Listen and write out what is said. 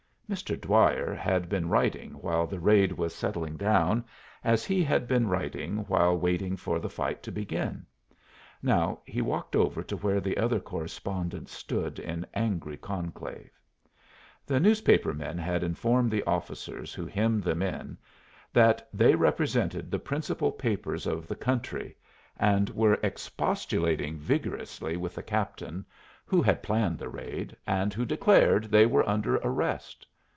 Mr. Dwyer had been writing while the raid was settling down, as he had been writing while waiting for the fight to begin. Now he walked over to where the other correspondents stood in angry conclave. The newspaper men had informed the officers who hemmed them in that they represented the principal papers of the country, and were expostulating vigorously with the captain, who had planned the raid, and who declared they were under arrest.